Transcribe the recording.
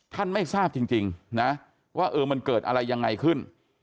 ไม่ทราบจริงนะว่าเออมันเกิดอะไรยังไงขึ้น